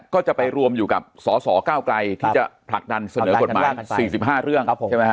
ก็จะไปรวมอยู่กับสสเก้าไกลที่จะผลักดันเสนอกฎหมาย๔๕เรื่องใช่ไหมฮ